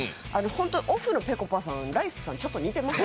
ホント、オフのぺこぱさん、ライスさんにちょっと似てます。